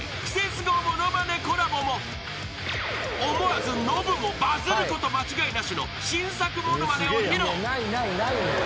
［思わずノブもバズること間違いなしの新作ものまねを披露］